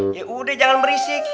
yaudah jangan berisik